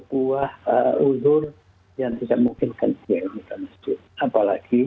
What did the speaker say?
itu adalah lebih utama